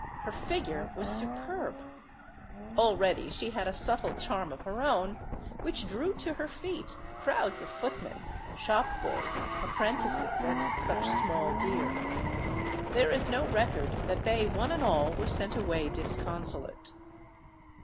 Her figure was superb. Already she had a subtle charm of her own which drew to her feet crowds of footmen, shopboys, apprentices, and such small deer. There is no record that they one and all were sent away disconsolate.